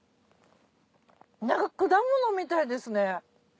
なんか果物みたいですね。